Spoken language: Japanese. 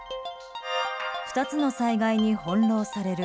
２つの災害に翻弄される